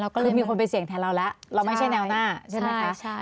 ก็คือมีคนไปเสี่ยงแทนเราแล้วเราไม่ใช่แนวหน้าใช่ไหมคะ